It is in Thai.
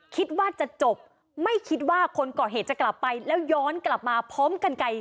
คิดว่าจะจบไม่คิดว่าคนก่อเหตุจะกลับไปแล้วย้อนกลับมาพร้อมกันไกล